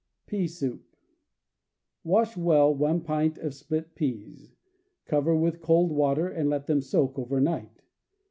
Pea Soup. — Wash well one pint of split peas, cover with cold water, and let them soak over night.